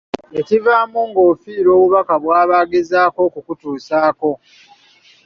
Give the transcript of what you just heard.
Ekivaamu ng'ofiirwa obubaka bw'aba agezaako okukutuusaako.